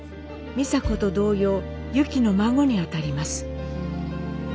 美佐子と同様ユキの孫にあたります。